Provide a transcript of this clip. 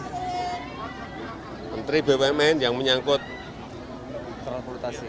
menteri bumn yang menyangkut menteri bumn yang menyangkut menteri bumn yang menyangkut menteri bumn yang menyangkut